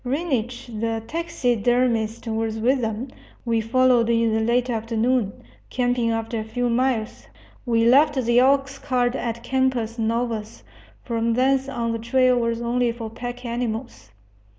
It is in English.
Reinisch the taxidermist was with them. We followed in the late afternoon, camping after a few miles. We left the oxcart at Campos Novos; from thence on the trail was only for pack animals.